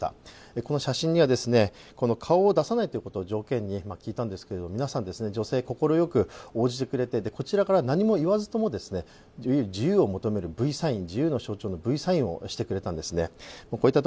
この写真には顔を出さないことを条件に聞いたんですけれども、女性たちは快く応じてくれてこちらから何も言わずともより自由を求めるＶサイン、自由の象徴、Ｖサインをしてくれたんです。